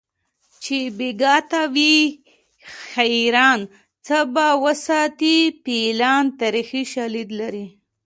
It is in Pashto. چې بیګا ته وي حیران څه به وساتي فیلان تاریخي شالید لري